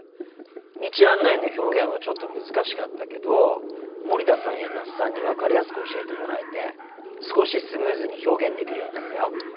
道案内の表現はちょっと難しかったけど森田さんや那須さんに分かりやすく教えてもらえて少しスムーズに表現できるようになったよ。